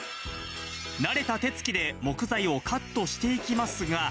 慣れた手つきで木材をカットしていきますが。